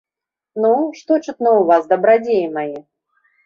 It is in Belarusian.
Ну, што чутно ў вас, дабрадзеі мае?